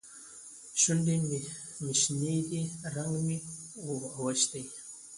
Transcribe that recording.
شونډې مې شنې دي؛ رنګ مې اوښتی.